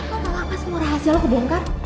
lo tau gak pas semua rahasia lo kebongkar